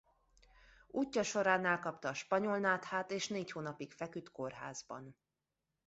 Útja során elkapta a spanyolnáthát és négy hónapig feküdt kórházban.